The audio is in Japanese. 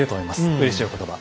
うれしいお言葉。